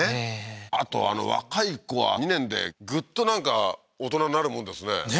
あと若い子は２年でグッとなんか大人になるもんですねねえ